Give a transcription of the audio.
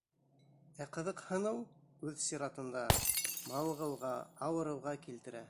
Ә ҡыҙыҡһыныу, үҙ сиратында, мауығыуға, ауырыуға килтерә.